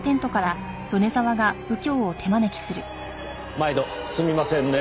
毎度すみませんねぇ。